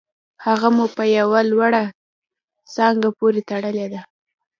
هغه مو په یوه لوړه څانګه پورې تړلې ده